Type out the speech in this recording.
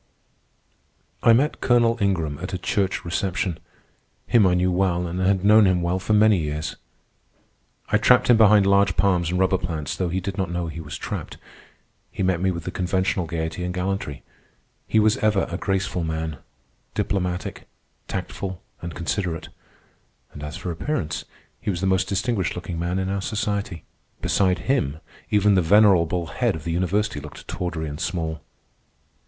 I met Colonel Ingram at a church reception. Him I knew well and had known well for many years. I trapped him behind large palms and rubber plants, though he did not know he was trapped. He met me with the conventional gayety and gallantry. He was ever a graceful man, diplomatic, tactful, and considerate. And as for appearance, he was the most distinguished looking man in our society. Beside him even the venerable head of the university looked tawdry and small.